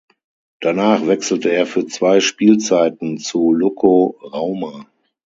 Danach wechselte er für zwei Spielzeiten zu Lukko Rauma.